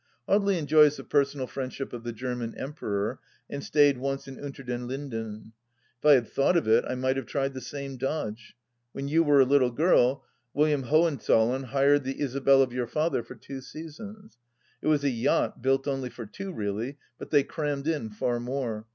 Audely enjoys the personal friendship of the German Emperor, and stayed once in Unter den Linden. If I had thought of it I might have tried the same dodge. When you were a little girl, William Hohenzollern hired the Isabel of your father for two seasons. It was a yacht built only for two, really, but they crammed in far more.